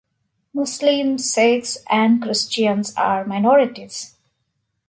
Muslims, Sikhs and Christians are minorities.